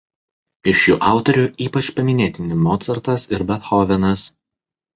Iš jų autorių ypač paminėtini Mocartas ir Bethovenas.